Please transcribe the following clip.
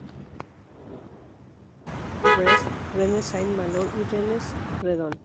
Forma parte de la ruta París-Brest, Rennes-Saint-Malo y Rennes-Redon.